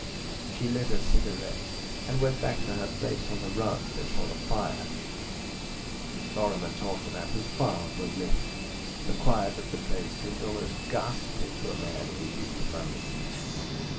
She lit a cigarette, and went back to her place on the rug before the fire. Lorrimer talked about his farm with me. The quiet of the place seemed almost ghastly to a man who was used to London.